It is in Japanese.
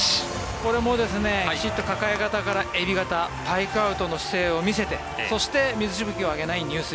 これもきちんと抱え方からエビ型パイクアウトの姿勢を見せてそして水しぶきを上げない入水。